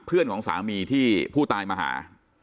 เพื่อนของสามีที่ผู้ตายมาหา